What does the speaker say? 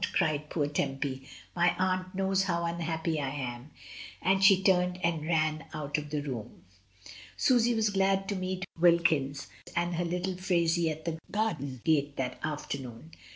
cried poor Tempy. «My aunt knows how unhappy I am," and she turned and ran out of the room. Susy was glad to meet Wilkins and her little Phraisie at the garden gate that afternoon.